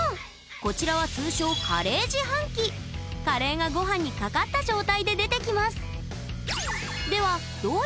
こちらは通称カレーがごはんにかかった状態で出てきます。